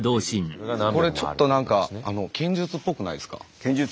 これちょっと何か剣術っぽいですよね。